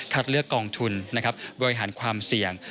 เลือกกองทุนบริหารความเสี่ยง